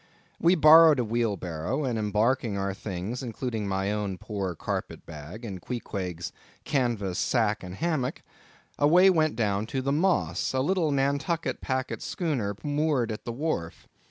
We borrowed a wheelbarrow, and embarking our things, including my own poor carpet bag, and Queequeg's canvas sack and hammock, away we went down to "the Moss," the little Nantucket packet schooner moored at the wharf.